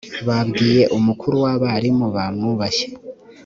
babwiye umukuru w’abarimu bamwubashye.